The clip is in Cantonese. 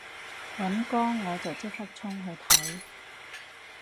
尹光我就即刻衝去睇